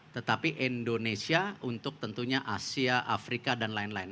tetapi indonesia untuk tentunya asia afrika dan lain lain